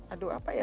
aduh apa ya